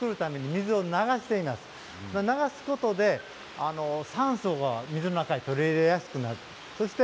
水を流すことで酸素を水の中に入れやすくなる。